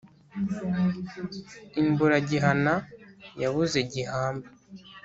Imbura gihana yabuze gihamba.